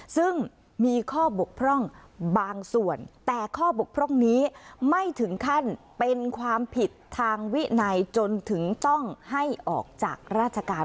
ซึ่งมีข้อบกพร่องบางส่วนแต่ข้อบกพร่องนี้ไม่ถึงขั้นเป็นความผิดทางวินัยจนถึงต้องให้ออกจากราชการ